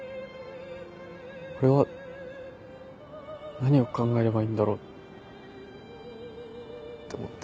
俺は何を考えればいいんだろうって思って。